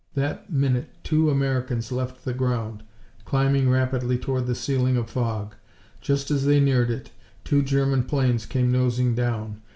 That minute two Americans left the ground, climbing rapidly toward the ceiling of fog. Just as they neared it, two German planes came nosing down.